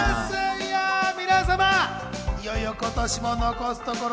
皆様、いよいよ今年も残すところ